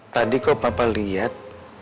tadi kok papa liat